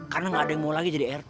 karena gak ada yang mau lagi jadi rt